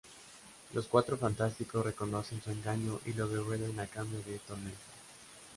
Los Cuatro Fantásticos reconocen su engaño y lo devuelven a cambio de Tormenta.